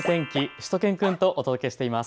しゅと犬くんとお届けします。